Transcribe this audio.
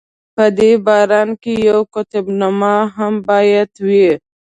په دې باران کې یوه قطب نما هم باید وي.